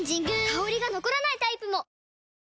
香りが残らないタイプも！